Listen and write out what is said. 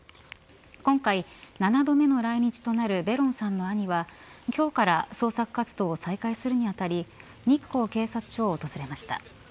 今回、７度目の来日となるベロンさんの兄は今日から捜索活動を再開するに当たり日光警察署を訪れました。